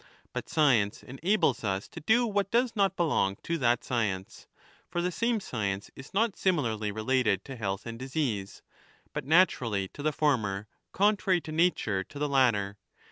But science enables us to do what does not belong to that science ; for the same science is not similarly related to health and disease, but naturally to the former, contrary to nature to the latter.